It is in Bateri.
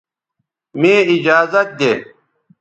مے ایجازت دے